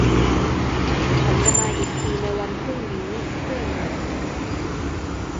ฉันจะมาอีกทีในวันพรุ่งนี้เพื่อเงิน